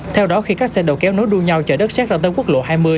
theo đó khi các xe đầu kéo nối đuôi nhau chở đất xét ra tới quốc lộ hai mươi